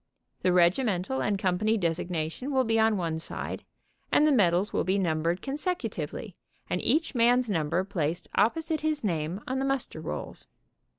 The regimental and company designation will be on'one side and the medals will be numbered con secutively and each man's number placed opposite his name on the muster rolls.